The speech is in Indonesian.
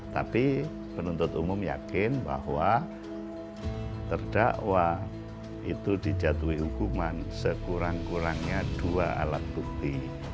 tapi penuntut umum yakin bahwa terdakwa itu dijatuhi hukuman sekurang kurangnya dua alat bukti